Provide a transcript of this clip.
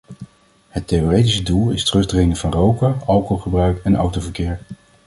Het theoretisch doel is terugdringing van roken, alcoholgebruik en autoverkeer.